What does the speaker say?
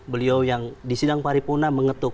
beliau yang di sidang paripurna mengetuk